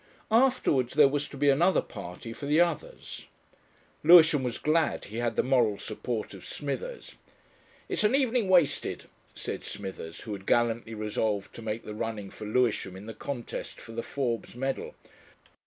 Afterwards there was to be another party for the others. Lewisham was glad he had the moral support of Smithers. "It's an evening wasted," said Smithers, who had gallantly resolved to make the running for Lewisham in the contest for the Forbes medal.